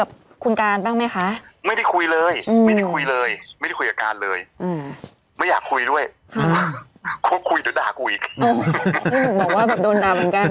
หนูบอกว่าแบบโดนด่าเหมือนกัน